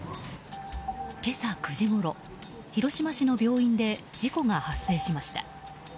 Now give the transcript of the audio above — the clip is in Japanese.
今朝９時ごろ、広島市の病院で事故が発生しました。